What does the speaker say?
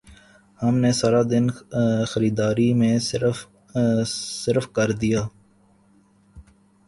ہم نے سارا دن خریداری میں صرف کر دیا